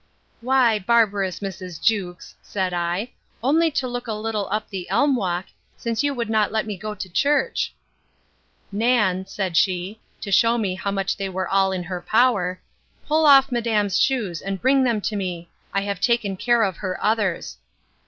Why, barbarous Mrs. Jewkes, said I, only to look a little up the elm walk, since you would not let me go to church. Nan, said she, to shew me how much they were all in her power, pull off madam's shoes, and bring them to me. I have taken care of her others.